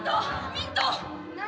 ミント！何？